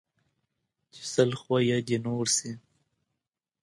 ـ چې سل خويه د نور شي